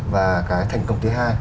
và cái thành công thứ hai